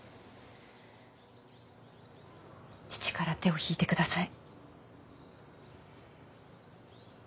父から手を引いてください。